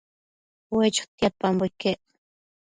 ue chotiadpambo iquec